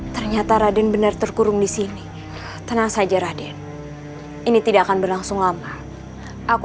ternyata raden bener bener tidur di sini tenang saja raden ini tidak akan berlangsung lama aku